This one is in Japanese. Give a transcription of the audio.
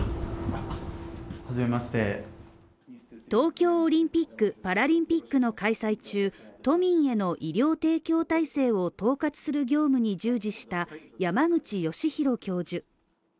東京オリンピック・パラリンピックの開催中、都民への医療提供体制を統括する業務に従事した山口芳裕教授。